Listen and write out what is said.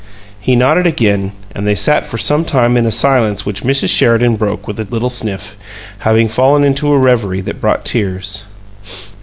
He nodded again, and they sat for some time in a silence which Mrs. Sheridan broke with a little sniff, having fallen into a reverie that brought tears.